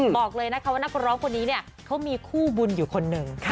บอกเลยนะคะว่านักร้องคนนี้เนี่ยเขามีคู่บุญอยู่คนหนึ่ง